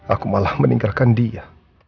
aku malah meninggalkan dia